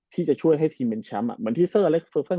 ที่จะช่วยให้ทีมเป็นแชมป์